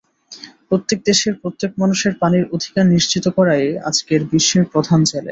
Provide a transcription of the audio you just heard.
প্রত্যেক দেশের প্রত্যেক মানুষের পানির অধিকার নিশ্চিত করাই আজকের বিশ্বের প্রধান চ্যালেঞ্জ।